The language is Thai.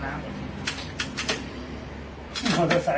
มาหลตูเนี้ย